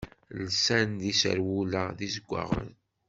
Lsan-d iserwula d izeggaɣen.